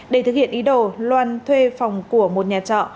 để thực hiện ý đồ loan thuê phòng của một nhà trọ